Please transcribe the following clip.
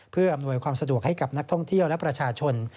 เพื่ออำนวยความสะดวกให้กับนักท่องเที่ยวและประชาชน